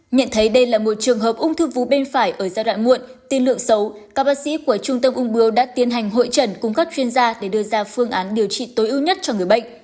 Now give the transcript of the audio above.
nhận thấy đây là một trường hợp ung thư vú bên phải ở giai đoạn muộn tin lượng xấu các bác sĩ của trung tâm ung bưu đã tiến hành hội trần cùng các chuyên gia để đưa ra phương án điều trị tối ưu nhất cho người bệnh